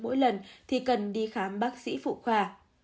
mỗi lần thì cần đi khám bác sĩ phụ khoa